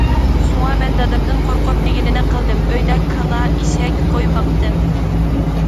شۇڭا مەن دادامدىن قورقۇپ، دېگىنىنى قىلدىم، ئۆيدە كالا، ئېشەك، قوي باقتىم.